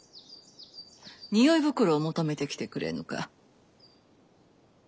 匂い袋を求めてきてくれぬか？